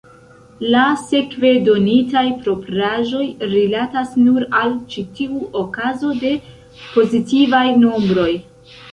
La sekve donitaj propraĵoj rilatas nur al ĉi tiu okazo de pozitivaj nombroj.